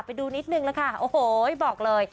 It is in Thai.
ไปดูนิดนึงละค่ะโอ้โหบอกเลย